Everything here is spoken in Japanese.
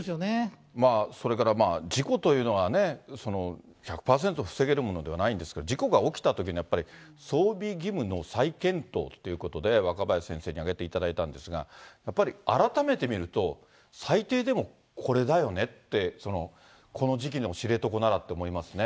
それから事故というのはね、１００％防げるものではないんですけど、事故が起きたときの、やっぱり装備義務の再検討ということで、若林先生に挙げていただいたんですが、やっぱり改めて見ると、最低でもこれだよねって、この時期での知床ならって思いますよね。